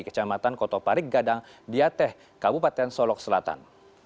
kecamatan kota parik gadang diatih kabupaten solok selatan